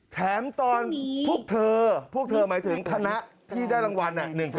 แถมตอนพวกเธอพวกเธอหมายถึงคณะที่ได้รางวัล